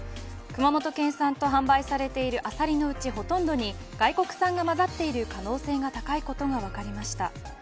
熊本県産と販売されているアサリのうち、ほとんどに外国産がまざっている可能性が高いことが分かりました。